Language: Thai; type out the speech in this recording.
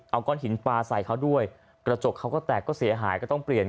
เอาก้อนหินปลาใส่เขาด้วยกระจกเขาก็แตกก็เสียหายก็ต้องเปลี่ยน